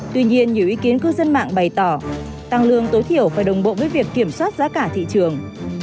tuy nhiên nhiều ý kiến cư dân mạng bày tỏ tăng lương tối thiểu phải đồng bộ với việc kiểm soát giá cả thị trường